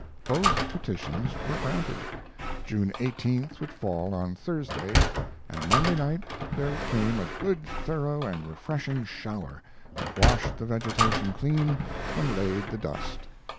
Both petitions were granted; June 18th would fall on Thursday, and Monday night there came a good, thorough, and refreshing shower that washed the vegetation clean and laid the dust.